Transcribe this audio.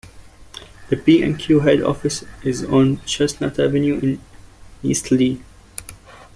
The B and Q head office is on Chestnut Avenue in Eastleigh.